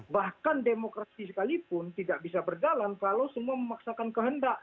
bahkan demokrasi sekalipun tidak bisa berjalan kalau semua memaksakan kehendak